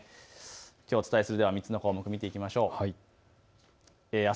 きょうお伝えする３つの項目を見ていきます。